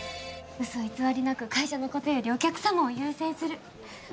嘘偽りなく会社のことよりお客様を優先する。